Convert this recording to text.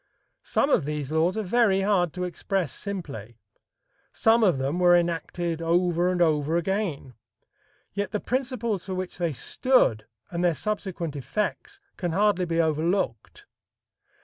Some of these laws are very hard to express simply; some of them were enacted over and over again. Yet the principles for which they stood, and their subsequent effects can hardly be overlooked.